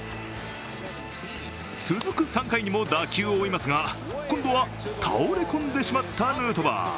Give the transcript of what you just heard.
続く３回にも打球を追いますが今度は倒れ込んでしまったヌートバー。